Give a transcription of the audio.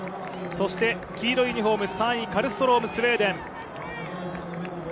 そして、黄色いユニフォーム３位カルストローム、スウェーデン。